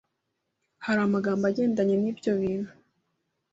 hari amagambo agendanye n’ibyo bintu